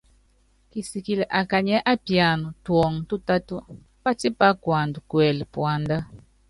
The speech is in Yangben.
Kisikilɛ akanyiɛ́ apiana tuɔŋɔ tútánu, pátípá kuanda kuɛlɛ puandá.